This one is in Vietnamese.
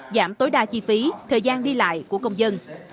giảm tối đa chi phí thời gian đi lại của công dân